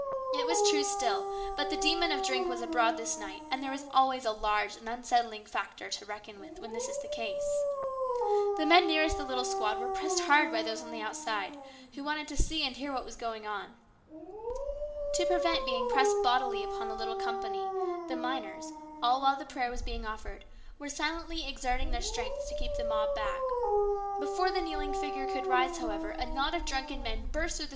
It was true still, but the demon of drink was abroad this night, and there is always a large and unsettling factor to reckon with when that is the case. The men nearest the little squad were pressed hard by those on the outside, who wanted to see and hear what was going on. To prevent being pressed bodily upon the little company the miners, all the while the prayer was being offered, were silently exerting their great strength to keep the mob back. Before the kneeling figure could rise, however, a knot of drunken men burst through the A CHANGE.